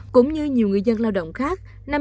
cũng như nhiều người dân lao động khác